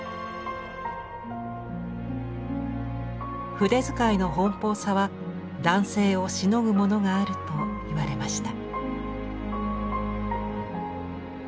「筆遣いの奔放さは男性をしのぐものがある」と言われました。